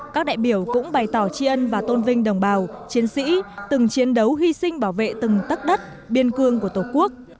các đại biểu cũng bày tỏ tri ân và tôn vinh đồng bào chiến sĩ từng chiến đấu hy sinh bảo vệ từng tất đất biên cương của tổ quốc